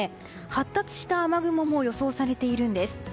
発達した雨雲も予想されているんです。